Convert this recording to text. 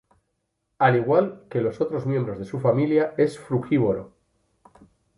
Al igual que otros miembros de su familia es frugívoro.